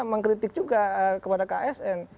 mengkritik juga kepada ksn